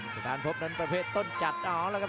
สถานทบนั้นประเภทต้นจัดเอาละครับ